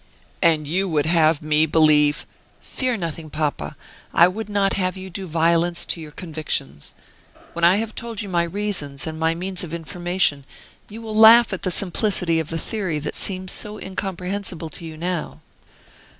"And you would have me believe " "Fear nothing, papa; I would not have you do violence to your convictions. When I have told you my reasons, and my means of information, you will laugh at the simplicity of the theory that seems so incomprehensible to you now."